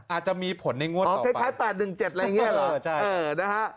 อาจจะมีผลในงวดต่อไปใช่๘๑๗อะไรอย่างนี้เหรอเออนะฮะ